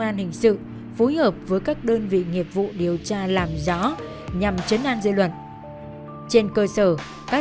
an hình sự phối hợp với các đơn vị nghiệp vụ điều tra làm rõ nhằm chấn an dư luận trên cơ sở các